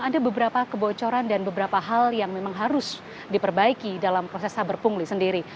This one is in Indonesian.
ada beberapa kebocoran dan beberapa hal yang memang harus diperbaiki dalam proses saber pungli sendiri